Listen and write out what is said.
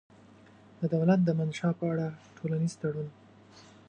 د دولت د منشا په اړه ټولنیز تړون